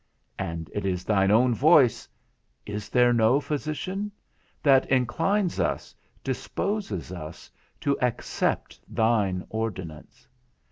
And it is thine own voice, Is there no physician? that inclines us, disposes us, to accept thine ordinance.